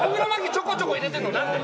ちょこちょこ入れてんの何で？